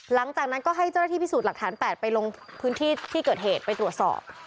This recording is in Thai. หลังจากนั้นก็ให้เจ้าหน้าที่พิสูจน์หลักฐาน๘ไปลงพื้นที่ที่เกิดเหตุไปตรวจสอบ